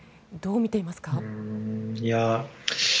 どう見ていますか。